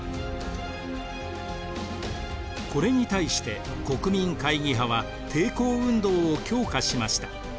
これに対して国民会議派は抵抗運動を強化しました。